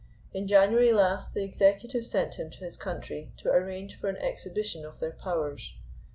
In January last the executive sent him to his country to arrange for an exhibition of their powers.